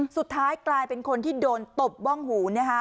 สุดท้ายกลายเป็นคนที่โดนตบบ้องหูนะคะ